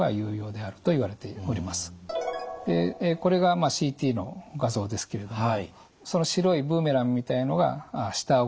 これがＣＴの画像ですけれどもその白いブーメランみたいのが下あごの骨になります。